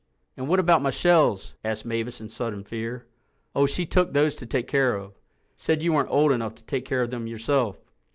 "And what about my shells?" asked Mavis in sudden fear. "Oh, she took those to take care of. Said you weren't old enough to take care of them yourself."